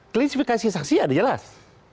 klasifikasi saksi ada jelas